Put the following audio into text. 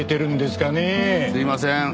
すみません。